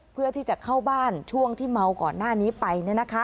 เพื่อที่จะเข้าบ้านช่วงที่เมาก่อนหน้านี้ไป